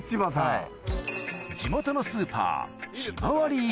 はい。